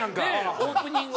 オープニングが。